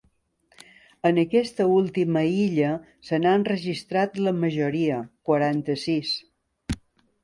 En aquesta última illa se n’han registrat la majoria, quaranta-sis.